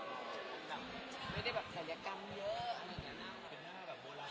ไม่ได้แบบศัลยกรรมเยอะเป็นหน้าแบบโบราณ